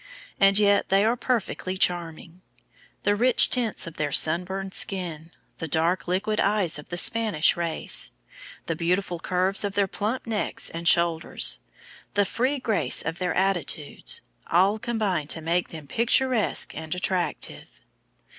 And yet they are perfectly charming. The rich tints of their sunburned skin; the dark liquid eyes of the Spanish race; the beautiful curves of their plump necks and shoulders; the free grace of their attitudes, all combine to make them picturesque and attractive.